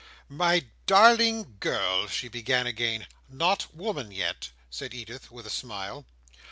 "My darling girl," she began again. "Not woman yet?" said Edith, with a smile.